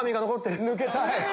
抜けたい。